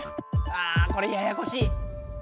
あこれややこしい！